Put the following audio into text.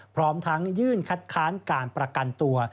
พร้อมทั้งยื่นคัดค้านการประกันตัว